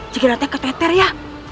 jika nanti keteter ya